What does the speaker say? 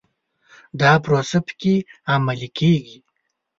دا پروسه په کې عملي کېږي.